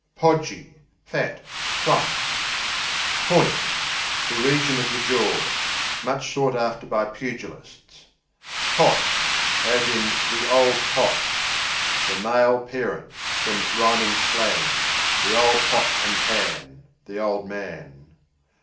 Podgy Fat; plump. Point The region of the jaw; much sought after by pugilists. Pot, the old The male parent (from "Rhyming Slang,") the "old pot and pan" the "old man."